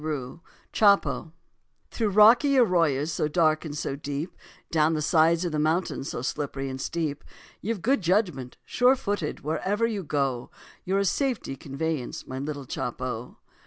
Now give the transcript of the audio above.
CHOPO Through rocky arroyas so dark and so deep, Down the sides of the mountains so slippery and steep, You've good judgment, sure footed, wherever you go, You're a safety conveyance, my little Chopo.